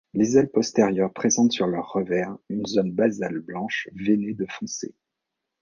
Les ailes postérieures présentent sur leur revers une zone basale blanche veinée de foncé.